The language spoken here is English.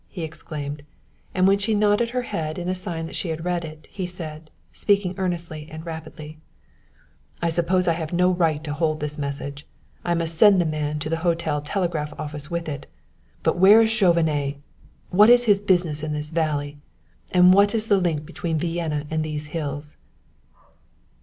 he exclaimed; and when she nodded her head in sign that she had read it, he said, speaking earnestly and rapidly: "I suppose I have no right to hold this message; I must send the man to the hotel telegraph office with it. But where is Chauvenet? What is his business in the valley? And what is the link between Vienna and these hills?"